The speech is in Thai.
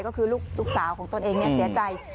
ก็คือลูกสาวของตนเองเสียใจ